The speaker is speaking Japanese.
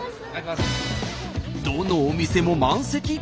どのお店も満席。